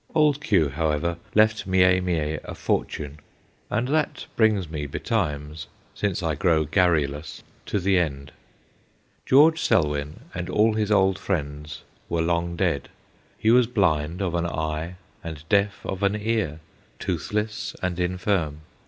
Old Q., however, left Mie Mie a fortune. THE LAST YEARS 73 And that brings me betimes, since I grow garrulous, to the end. George Selwyn and all his old friends were long dead. He was blind of an eye and deaf of an ear, toothless and infirm.